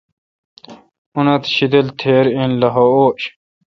انت شیدل تھیرا ین لخہ اوݭ